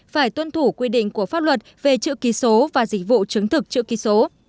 phải tuân thủ quy định của pháp luật về chữ ký số và dịch vụ chứng thực chữ ký số